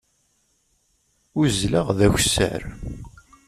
Uzzleɣ d akessar.